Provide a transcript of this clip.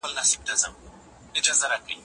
تاسو باید د مقالي لپاره یو ښه سرلیک ولرئ.